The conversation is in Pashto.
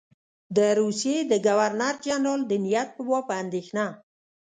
د روسیې د ګورنر جنرال د نیت په باب اندېښنه.